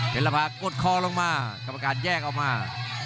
ละภาคดคอลงมากรรมการแยกออกมา